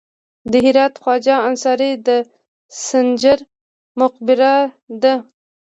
د هرات خواجه انصاري د سنجر مقبره ده